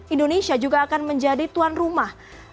indonesia juga akan menjadi tuan rumah